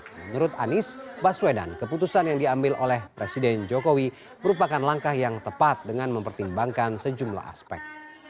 menurut anies baswedan keputusan yang diambil oleh presiden jokowi merupakan langkah yang tepat dengan mempertimbangkan sejumlah aspek